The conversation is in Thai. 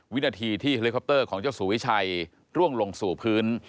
วินาทีที่เฮลิคอปเตอร์ของเจ้าสูวิชัยร่วงลงสู่พื้น